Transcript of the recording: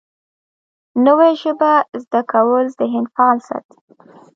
نوې ژبه زده کول ذهن فعال ساتي